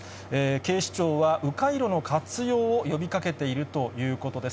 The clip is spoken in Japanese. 警視庁はう回路の活用を呼びかけているということです。